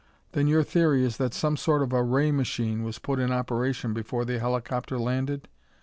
"Then your theory is that some sort of a ray machine was put in operation before the helicopter landed?"